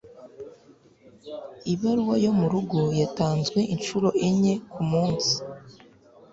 Ibaruwa yo murugo yatanzwe inshuro enye kumunsi.